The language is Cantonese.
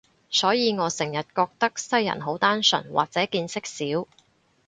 所以我成日覺得西人好單純，或者見識少